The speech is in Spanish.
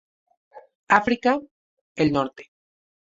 África: el norte.